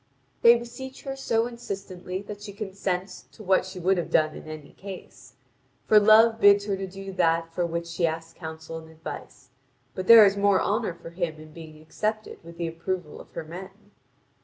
They beseech her so insistently that she consents to what she would have done in any case. For Love bids her do that for which she asks counsel and advice; but there is more honour for him in being accepted with the approval of her men.